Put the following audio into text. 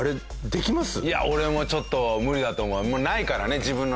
いや俺もちょっと無理だと思う。